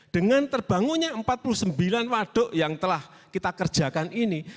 dengan terbangunnya empat puluh sembilan waduk yang telah kita kerjakan ini